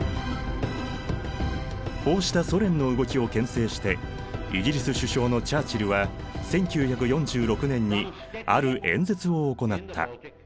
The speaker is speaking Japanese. こうしたソ連の動きをけん制してイギリス首相のチャーチルは１９４６年にある演説を行った。